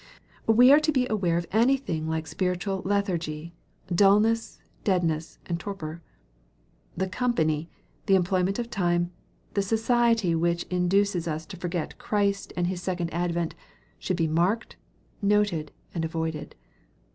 We are to beware of any thing like spiritual lethargy, dulness, deadness, and torpor. The company, the employment of time, the society which induces us to forget Christ and 294 EXPOSITORY THOUGHTS. His second advent, should be marked, noted, ai d avoid ed.